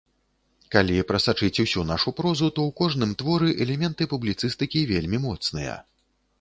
Калі прасачыць усю нашу прозу, то ў кожным творы элементы публіцыстыкі вельмі моцныя.